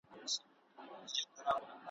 پر جلا لارو مزلونه یې وهلي ,